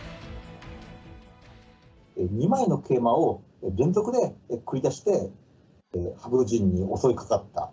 ２枚の桂馬を連続で繰り出して、羽生陣に襲いかかった。